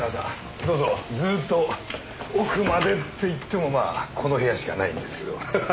どうぞずーっと奥までって言ってもまあこの部屋しかないんですけど。